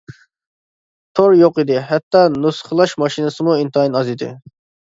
تور يوق ئىدى، ھەتتا نۇسخىلاش ماشىنىسىمۇ ئىنتايىن ئاز ئىدى.